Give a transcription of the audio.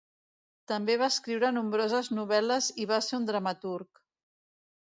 També va escriure nombroses novel·les i va ser un dramaturg.